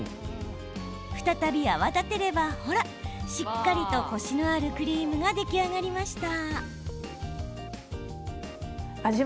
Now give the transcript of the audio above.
再び泡立てればほら、しっかりとコシのあるクリームが出来上がりました。